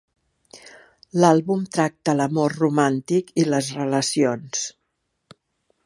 L'àlbum tracta l'amor romàntic i les relacions.